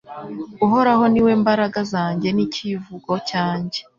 Uhoraho ni we mbaraga zanjye n’icyivugo cyanjye